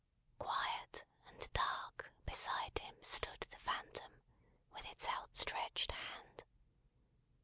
Quiet and dark, beside him stood the Phantom, with its outstretched hand.